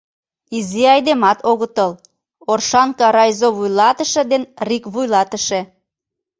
Изи айдемат огытыл: Оршанка райзо вуйлатыше ден рик вуйлатыше.